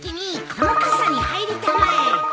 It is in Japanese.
この傘に入りたまえ。